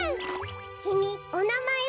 きみおなまえは？